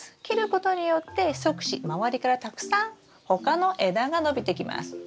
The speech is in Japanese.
切ることによって側枝まわりからたくさん他の枝が伸びてきます。